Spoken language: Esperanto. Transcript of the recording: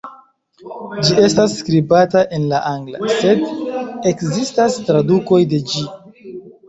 Ĝi estas skribata en la angla, sed ekzistas tradukoj de ĝi.